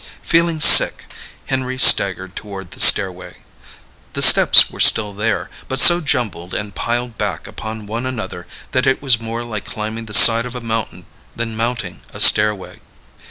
Feeling sick, Henry staggered toward the stairway. The steps were still there, but so jumbled and piled back upon one another that it was more like climbing the side of a mountain than mounting a stairway.